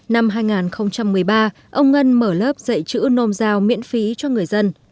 năm hai nghìn một mươi ba ông ngân mở lớp dạy chữ nôm giao miễn phí cho người dân